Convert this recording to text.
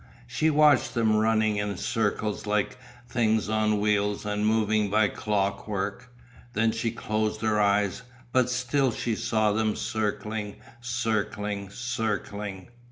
She watched them running in circles like things on wheels and moving by clockwork. Then she closed her eyes, but still she saw them circling, circling, circling.